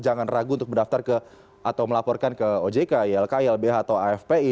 jangan ragu untuk mendaftar ke atau melaporkan ke ojk ylki lbh atau afpi